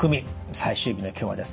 最終日の今日はですね